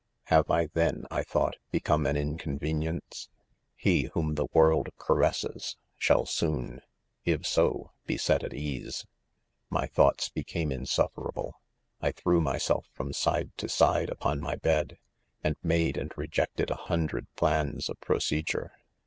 * Have I then, I thought, become an incon venience 1— He whom the world caresses shall soon, if so 9 be set at ease. 'My thoughts became insufferable.; I threw myself from side to side upon my bed, and made and rejected a hundred plans of* proce dure.